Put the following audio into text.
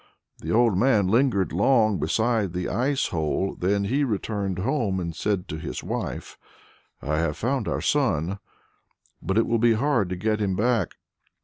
The old man lingered long beside the ice hole, then he returned home and said to his wife: "I have found our son, but it will be hard to get him back.